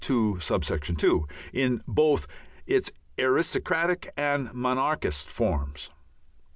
(2) in both its aristocratic and monarchist forms.